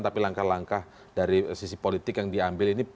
tapi langkah langkah dari sisi politik yang diambil ini